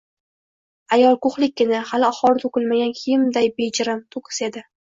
Ayol ko‘hlikkina, hali ohori to‘kilmagan kiyimday bejirim, to‘kis edi